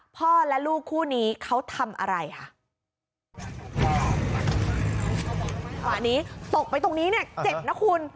พ่อและลูกคู่นี้เขาทำอะไรค่ะขวานี้ตกไปตรงนี้เนี่ยเจ็บนะคุณ